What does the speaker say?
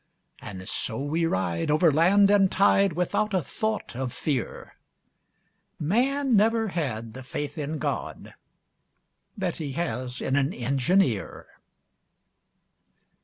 And so we ride Over land and tide, Without a thought of fear _Man never had The faith in God That he has in an engineer!